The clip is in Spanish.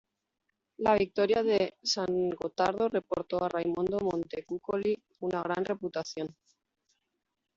La victoria de San Gotardo reportó a Raimondo Montecuccoli una gran reputación.